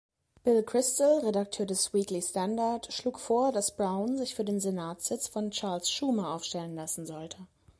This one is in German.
Bill Kristol, Redakteur des Weekly Standard, schlug vor, dass Brown sich für den Senatsitz von Charles Schumer aufstellen lassen sollte.